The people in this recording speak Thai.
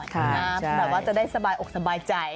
เพราะว่าจะได้ออกสบายใจ